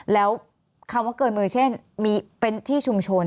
แล้วคำว่าเกินมือเช่นมีเป็นที่ชุมชน